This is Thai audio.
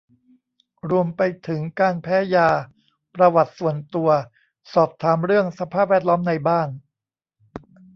รวมไปถึงการแพ้ยา ประวัติส่วนตัว สอบถามเรื่องสภาพแวดล้อมในบ้าน